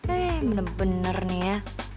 eh bener bener nih ya